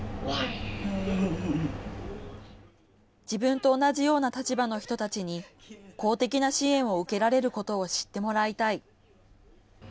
自分と同じような立場の人たちに公的な支援を受けられることを知ってもらいたい。